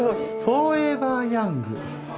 フォーエバーヤング。